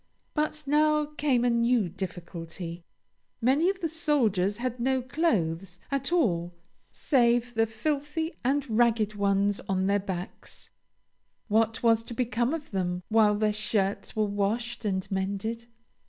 But now came a new difficulty. Many of the soldiers had no clothes at all save the filthy and ragged ones on their backs; what was to become of them while their shirts were washed and mended?